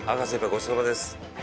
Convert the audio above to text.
ごちそうさまです。